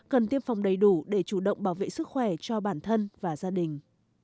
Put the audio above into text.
cần tiêm phòng đầy đủ để chủ động bảo vệ sức khỏe cho bản thân và gia đình